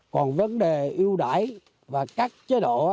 còn vấn đề ưu đãi và các chế độ